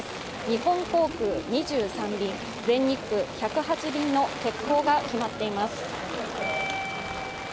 日本航空２３便、全日空１０８便の欠航が決まっています。